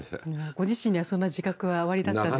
ご自身にはそんな自覚はおありだったんですか？